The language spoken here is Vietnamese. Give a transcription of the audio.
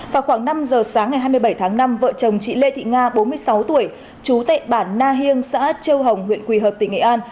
vào khoảng năm giờ sáng ngày hai mươi bảy tháng năm vợ chồng chị lê thị nga bốn mươi sáu tuổi trú tại bản na hiêng xã châu hồng huyện quỳ hợp tỉnh nghệ an